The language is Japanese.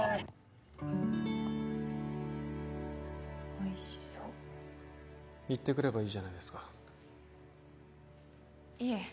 おいしそう行ってくればいいじゃないですかいえ